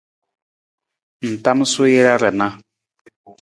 Ng tamasuu jara rana.